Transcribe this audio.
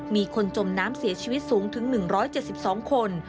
มีคนจมน้ำเสียชีวิตสูงถึง๑๗๒คน